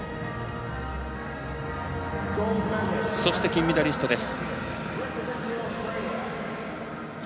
そして金メダリストです。